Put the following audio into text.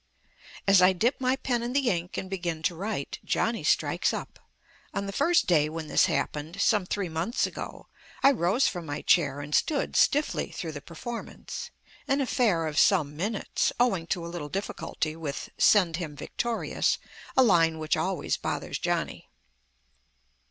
As I dip my pen in the ink and begin to write, Johnny strikes up. On the first day when this happened, some three months ago, I rose from my chair and stood stiffly through the performance an affair of some minutes, owing to a little difficulty with "Send him victorious," a line which always bothers Johnny.